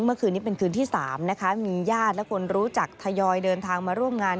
เมื่อคืนนี้เป็นคืนที่๓นะคะมีญาติและคนรู้จักทยอยเดินทางมาร่วมงาน